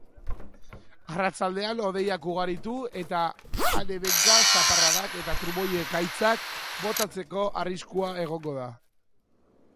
Arratsaldean hodeiak ugaritu eta han-hemenka zaparradak eta trumoi-ekaitzak botatzeko arriskua egongo da.